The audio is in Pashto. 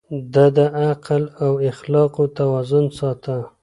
ده د عقل او اخلاقو توازن ساته.